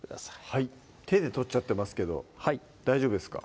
はい手で取っちゃってますけど大丈夫ですか？